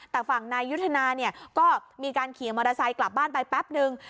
แต่ฝั่งนายยุทธนาเนี่ยก็มีการขี่มอเตอร์ไซค์กลับบ้านไปแป๊บนึง